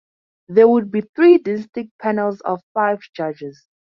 There would be three distinct panels of five judges.